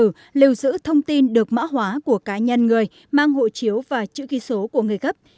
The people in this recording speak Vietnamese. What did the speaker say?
hộ chiếu có gắn chip điện tử liều giữ thông tin được mã hóa của cá nhân người mang hộ chiếu và chữ ký số của người gấp